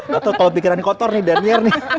gak tau kalau pikirannya kotor nih danyar nih